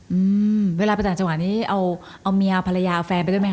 อืมเวลาต่างจังหวัดนี้เอาเอาเมียเอาภรรยาเอาแฟนไปด้วยมั้ยคะ